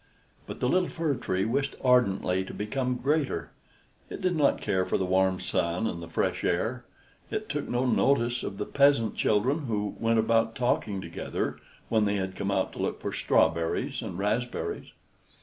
But the little Fir Tree wished ardently to become greater. It did not care for the warm sun and the fresh air; it took no notice of the peasant children, who went about talking together, when they had come out to look for strawberries and raspberries.